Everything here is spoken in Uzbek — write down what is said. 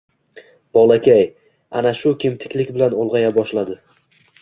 Bolakay ana shu kemtiklik bilan ulg`aya boshladi